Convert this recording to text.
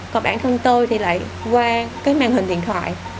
còn bản thân tôi thì lại qua cái màn hình điện thoại